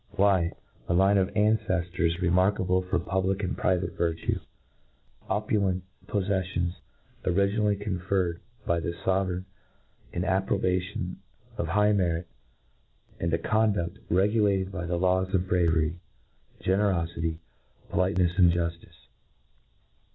Why, a Kne of anceftors re markable for public and private virtue— —o pulent poffeffions originally conferred by the fovereign ki approbation of high merit— ^nd a conduft regulated by the laws of bravery, gene rofity, politenefs, and juftice.